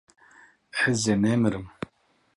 Ez ê nemirim.